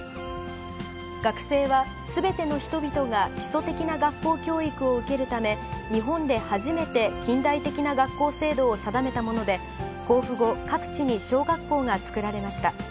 学制は、すべての人々が基礎的な学校教育を受けるため、日本で初めて近代的な学校制度を定めたもので、公布後、各地に小学校が作られました。